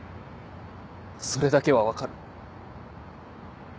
それだけは分かる。